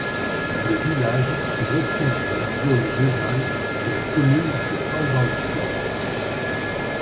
Le village se retrouve dans la zone rurale de la commune de Bangangté.